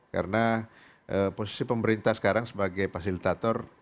karena posisi pemerintah sekarang sebagai fasilitator